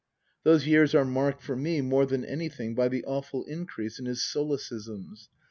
Those years are marked for me more than anything by the awful increase in his solecisms.